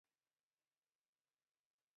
光绪二十七年参加乡试中举人。